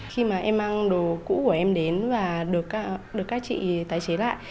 khi mà em mang đồ cũ của em đến và được các chị tái chế lại